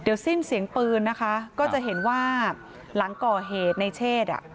เดี๋ยวสิ้นเสียงปืนนะคะก็จะเห็นว่าหลังก่อเหตุในเชศอ่ะ